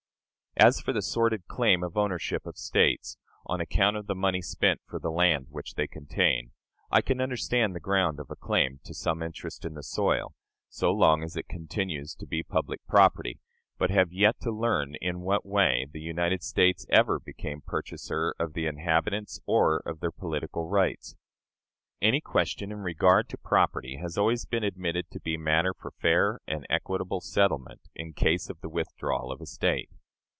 As for the sordid claim of ownership of States, on account of the money spent for the land which they contain I can understand the ground of a claim to some interest in the soil, so long as it continues to be public property, but have yet to learn in what way the United States ever became purchaser of the inhabitants or of their political rights. Any question in regard to property has always been admitted to be matter for fair and equitable settlement, in case of the withdrawal of a State.